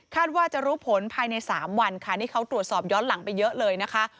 ว่าจะรู้ผลภายใน๓วันค่ะนี่เขาตรวจสอบย้อนหลังไปเยอะเลยนะคะ